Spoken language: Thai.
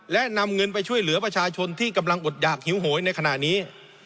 และนำเงินไปช่วยเหลือประชาชนที่กำลังอดหยากหิวโหยในขณะนี้